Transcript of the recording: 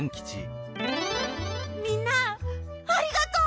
みんなありがとう！